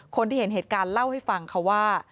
คนที่เห็นเหตุการณ์เล่าให้ฟังค่ะว่า